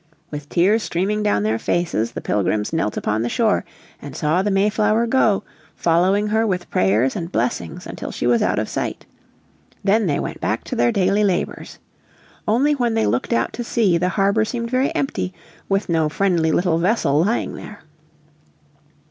With tears streaming down their faces, the Pilgrims knelt upon the shore and saw the Mayflower go, following her with prayers and blessings until she was out of sight. Then they went back to their daily labours. Only when they looked out to sea the harbour seemed very empty with no friendly little vessel lying there.